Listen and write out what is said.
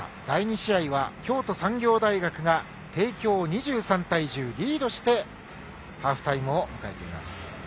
第２試合は京都産業大学が帝京を２３対１０でリードしてハーフタイムを迎えています。